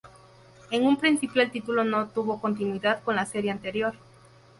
En un principio, el título no tuvo continuidad con la serie anterior.